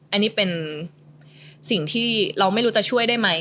อันนี้เป็นสิ่งที่เราไม่รู้จะช่วยได้ไหม